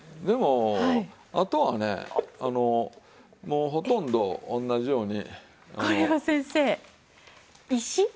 でもあとはねあのもうほとんど同じように。これは先生石？